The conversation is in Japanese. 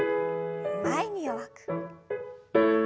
前に弱く。